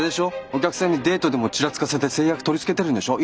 お客さんにデートでもチラつかせて成約取り付けてるんでしょ？